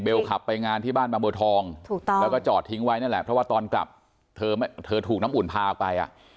ขับไปงานที่บ้านบางบัวทองถูกต้องแล้วก็จอดทิ้งไว้นั่นแหละเพราะว่าตอนกลับเธอถูกน้ำอุ่นพาออกไปอ่ะ